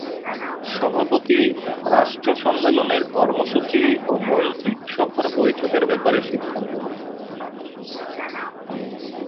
সভাপতি-রাষ্ট্র সম্মেলনের কর্মসূচী ও মন্ত্রীসভার বৈঠকের ব্যাপারে সিদ্ধান্ত নেন।